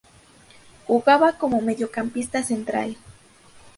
Jugaba como mediocampista central.